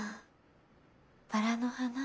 バラの花。